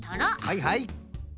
はいはい。